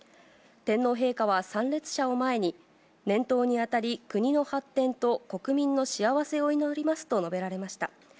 天皇陛下は参列者を前に、年頭にあたり、国の発展と国民の幸せを祈りますと述べられました。